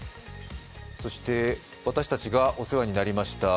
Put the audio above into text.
そして私たちがお世話になりました、